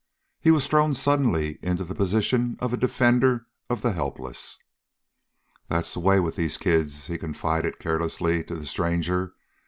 He was thrown suddenly in the position of a defender of the helpless. "That's the way with these kids," he confided carelessly to the stranger.